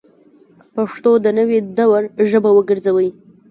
پښتو د نوي دور ژبه وګرځوئ